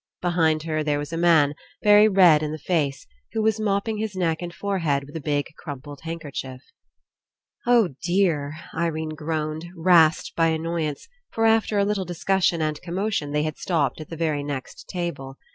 Behind her there was a man, very red In the face, who was mopping his neck and forehead with a big crumpled handkerchief. 14 ENCOUNTER "Oh dear I" Irene groaned, rasped by annoyance, for after a little discussion and com motion they had stopped at the very next table.